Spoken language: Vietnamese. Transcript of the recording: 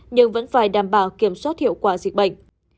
nhưng vẫn phải đảm bảo kiểm soát hiệu quả dịch bệnh